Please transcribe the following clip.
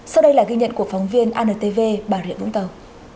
sau đây là ghi nhận của phóng viên antv bà rịa vũng tàu